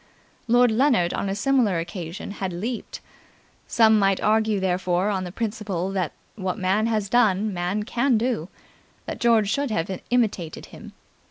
Lord Leonard on a similar occasion had leaped. Some might argue therefore on the principle that what man has done, man can do, that George should have imitated him.